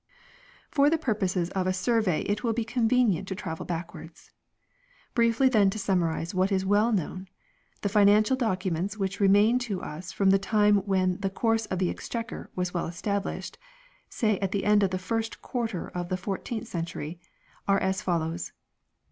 For the purposes of a survey it will be convenient A survey of to travel backwards. Briefly then to summarize processes? what is well known, the financial documents which and fficials remain to us from the time when the " course of the Exchequer " was well established say at the end of the first quarter of the fourteenth century are as follows.